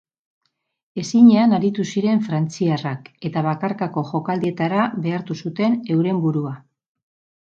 Ezinean aritu ziren frantziarrak eta bakarkako jokaldietara behartu zuten euren burua.